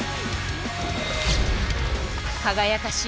輝かしい